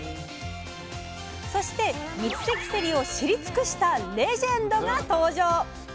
そして三関せりを知り尽くしたレジェンドが登場！